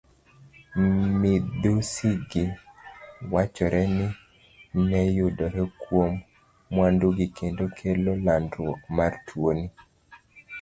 Midhusigi wachore ni neyudore kuom mwandugi kendo kelo landruok mar tuoni.